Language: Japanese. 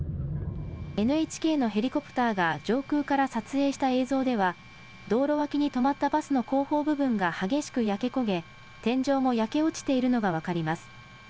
ＮＨＫのヘリコプターが上空から撮影した映像では、道路脇に止まったバスの後方部分が激しく焼け焦げ、天井も焼け落ちているのが分かります。